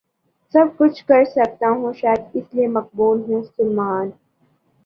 سب کچھ کرسکتا ہوں شاید اس لیے مقبول ہوں سلمان